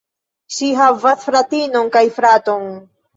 Ŝi havas fratinon kaj fraton.